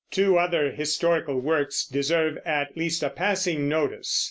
Two other historical works deserve at least a passing notice.